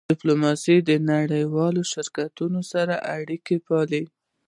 ډیپلوماسي د نړیوالو شریکانو سره اړیکې پالي.